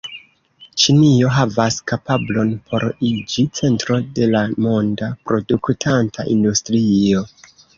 Ĉinio havas kapablon por iĝi centro de la monda produktanta industrio.